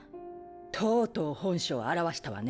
とうとう本性現したわね。